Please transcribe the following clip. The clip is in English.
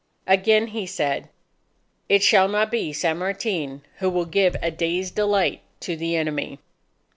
_" Again he said, "It shall not be San Martin who will give a day's delight to the enemy."